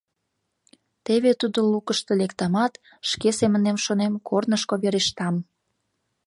«Теве тудо лукышко лектамат, — шке семынем шонем, — корнышко верештам;